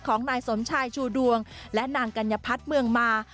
ของนายสมชายชูดวงและนางกัญญพัฒน์เมืองมา